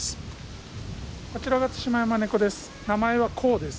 こちらがツシマヤマネコです。